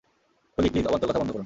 ওলি প্লিজ, অবান্তর কথা বন্ধ করুন।